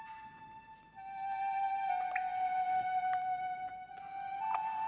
sampai kapan dia bakal tercapai